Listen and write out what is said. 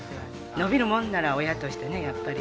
伸びるもんなら親としてね、やっぱり。